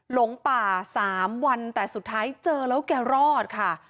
หลงป่า๓วันแต่สุดท้ายเจอแล้วแกรอดค่ะ